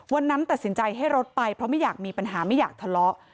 วันนั้นตัดสินใจให้รถไปเพราะไม่อยากมีปัญหาไม่อยากทะเลาะ